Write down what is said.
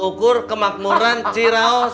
tengok ukur kemakmuran ciraos